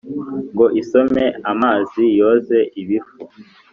Ngo isome amazi yoze ibifu !